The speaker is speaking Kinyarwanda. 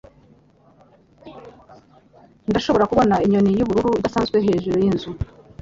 Ndashobora kubona inyoni yubururu idasanzwe hejuru yinzu.